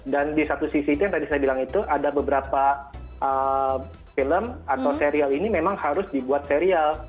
dan di satu sisi itu yang tadi saya bilang itu ada beberapa film atau serial ini memang harus dibuat serial